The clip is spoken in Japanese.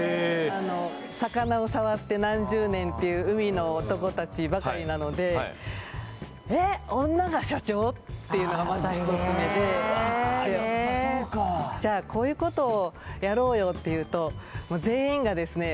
魚を触って何十年っていう海の男たちばかりなのでっていうのがまず１つ目でやっぱそうかじゃあこういうことをやろうよっていうと全員がですね